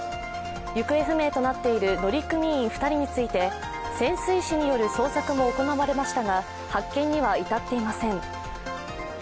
行方不明となっている乗組員２人について、潜水士による捜索も行われましたが、発見には至っていません。